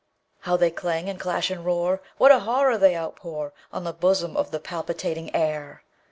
How they clang, and clash, and roar! What a horror they outpourOn the bosom of the palpitating air!